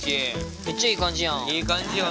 めっちゃいい感じやん。